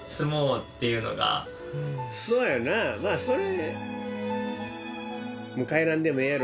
まあそれ。